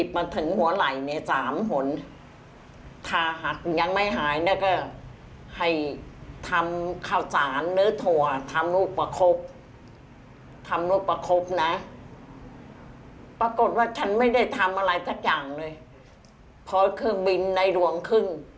เป็นอย่างเลยเพราะเครื่องบินในหลวงครึ่ง